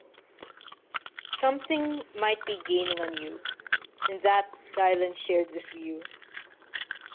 Something might be gaining on you, and that Dylan shared this view.